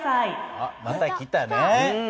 あっまた来たね。